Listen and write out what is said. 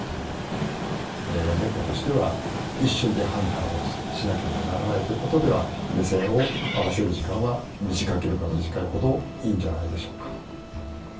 ネコとしては一瞬で判断をしなければならないということでは目線を合わせる時間は短ければ短いほどいいんじゃないでしょうか。